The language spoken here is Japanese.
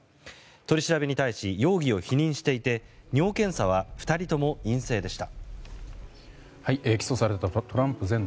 取り調べに対し容疑を否認していて尿検査は２人とも陰性でした。